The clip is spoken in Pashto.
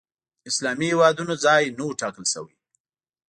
اسلامي هېوادونو ځای نه و ټاکل شوی